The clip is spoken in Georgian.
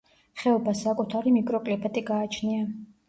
ხეობას საკუთარი მიკროკლიმატი გააჩნია.